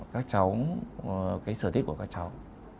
các cháu cái sở thích của các cháu